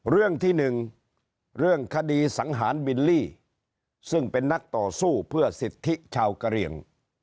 เรื่องที่หนึ่งเรื่องคดีสังหารบิลลี่ซึ่งเป็นนักต่อสู้เพื่อสิทธิชาวกะเหลี่ยง